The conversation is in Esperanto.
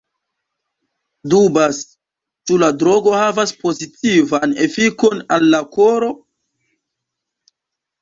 Dubas, ĉu la drogo havas pozitivan efikon al la koro.